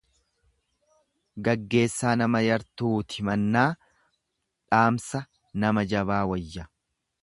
Gaggeessaa nama yartuuti mannaa dhaamsa nama jabaa wayya.